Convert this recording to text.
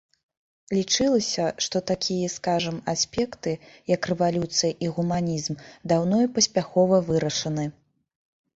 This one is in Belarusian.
Лічылася, што такія, скажам, аспекты, як рэвалюцыя і гуманізм, даўно і паспяхова вырашаны.